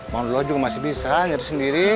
bhang dulo juga masih bisa nyaris sendiri